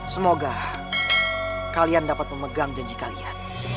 semoga kalian dapat memegang janji kalian